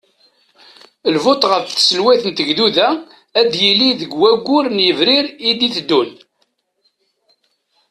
Lvot ɣef tselwayt n tegduda ad d-yili deg waggur n Yebrir id-teddun.